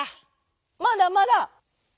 「まだまだ」。